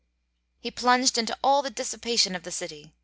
He plunged into all the dissipation of the city.